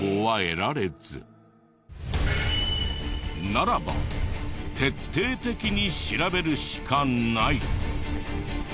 ならば徹底的に調べるしかない。